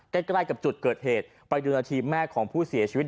ใกล้ใกล้กับจุดเกิดเหตุไปดูนาทีแม่ของผู้เสียชีวิต